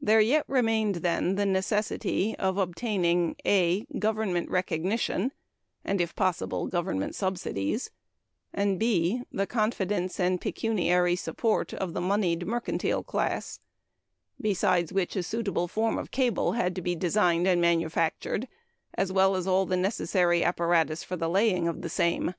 There yet remained, then, the necessity of obtaining (a) Government recognition, and, if possible, Government subsidies; (b) the confidence and pecuniary support of the moneyed mercantile class; besides which a suitable form of cable had to be designed and manufactured, as well as all the necessary apparatus for the laying of the same.